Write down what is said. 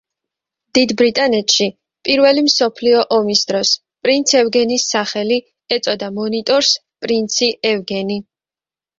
დიდ ბრიტანეთში პირველი მსოფლიო ომის დროს პრინც ევგენის სახელი ეწოდა მონიტორს „პრინცი ევგენი“.